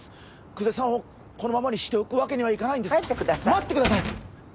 久世さんをこのままにしておくわけにはいかないんです帰ってください待ってください